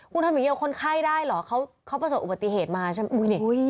คุณทำอย่างเดียวคนไข้ได้เหรอเขาประสบอุบัติเหตุมาใช่ไหม